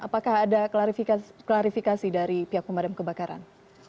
apakah ada klarifikasi dari pihak pemadam kebakaran